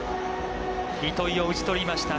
糸井を打ち取りました。